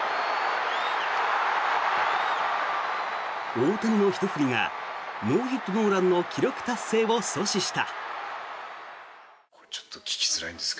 大谷のひと振りがノーヒット・ノーランの記録達成を阻止した。